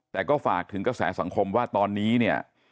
แต่ก็ฝากถึงกระแสสังคมว่าตอนนี้เนี่ย